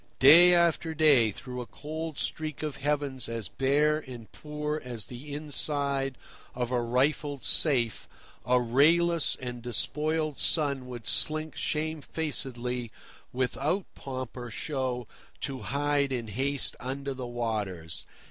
Day after day through a cold streak of heavens as bare and poor as the inside of a rifled safe a rayless and despoiled sun would slink shamefacedly, without pomp or show, to hide in haste under the waters.